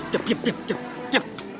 diam diam diam diam